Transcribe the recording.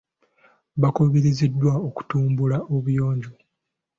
Baakubirizddwa okutumbula obuyonjo.